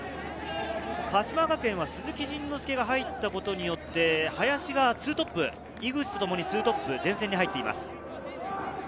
鹿島学園は鈴木仁之介が入ったことによって、林が２トップ、井口とともに２トップ、前線に入っています。